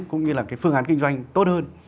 cũng như là cái phương án kinh doanh tốt hơn